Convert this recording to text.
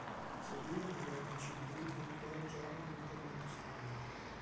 Seguirono guerre civili che incoraggiarono l'intervento straniero.